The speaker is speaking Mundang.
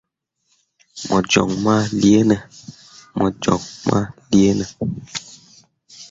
Mo joŋ ma leere ne ?